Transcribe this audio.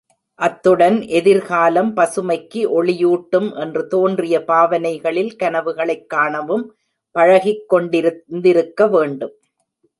அத்துடன் எதிர்காலம் பசுமைக்கு ஒளியூட்டும் என்று தோன்றிய பாவனைகளில் கனவுகளைக் காணவும் பழகிக் கொண்டிருந்திருக்கவேண்டும்.